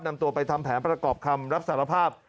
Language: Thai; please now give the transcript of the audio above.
นำตัวไปทำแผนประกอบคำรับสารภาพ